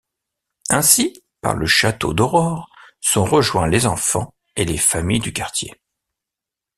Ainsi, par le Château d’Aurore, sont rejoints les enfants et les familles du quartier.